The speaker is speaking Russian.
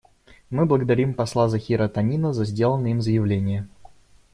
Мы благодарим посла Захира Танина за сделанное им заявление.